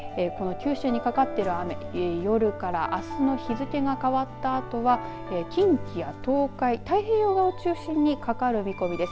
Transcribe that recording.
九州にかかってる雨夜から、あすに日付が変わったあとは近畿や東海、太平洋側を中心にかかる見込みです。